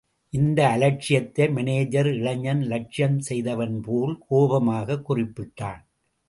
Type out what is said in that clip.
இந்த அலட்சியத்தை மானேஜர் இளைஞன் லட்சியம் செய்தவன்போல், கோபமாகக் குறிப்பிட்டான்.